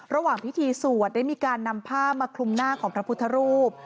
ระหว่างพิธีสวดได้มีการนำผ้ามาคลุมหน้าของพระพุทธรูป